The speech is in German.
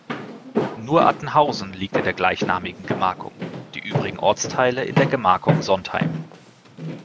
Nur Attenhausen liegt in der gleichnamigen Gemarkung, die übrigen Ortsteile in der Gemarkung Sontheim.